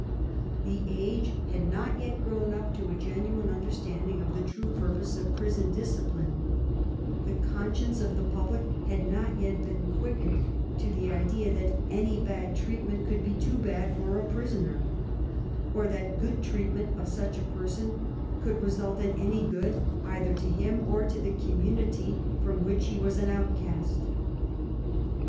The age had not yet grown up to a genuine understanding of the true purposes of prison discipline; the conscience of the public had not yet been quickened to the idea that any bad treatment could be too bad for a prisoner, or that good treatment of such a person could result in any good either to him or to the community from which he was an outcast.